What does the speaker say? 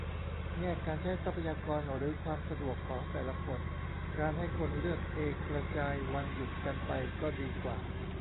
แง่การใช้ทรัพยากรหรือความสะดวกของแต่ละคน การให้คนเลือกเองกระจายวันหยุดกันไปก็ดีกว่า